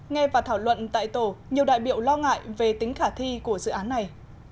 nghe và thảo luận tại tổ nhiều đại biểu lo ngại về tính khả thi của dự án này